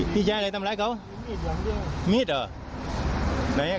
พี่จะไปไหนเนี่ย